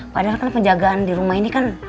padahal kan penjagaan di rumah ini kan